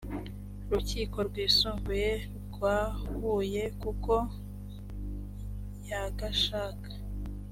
rukiko rwisumbuye rwa huye kuko yagashaka